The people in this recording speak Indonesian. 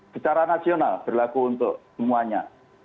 secara nasional berlaku untuk semuanya